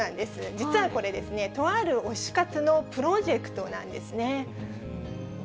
実はこれですね、とある推し活のプロジェクトなんですね。